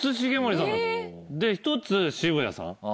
で１つ渋谷さん。